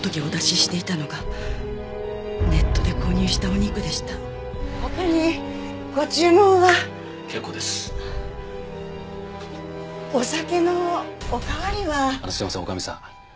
すいません女将さん。